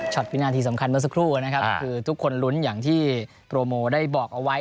วินาทีสำคัญเมื่อสักครู่นะครับคือทุกคนลุ้นอย่างที่โปรโมได้บอกเอาไว้